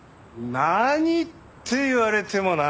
何って言われてもな。